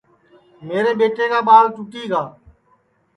میرے پینڈؔے کا ٻاݪ ٹُوٹی گا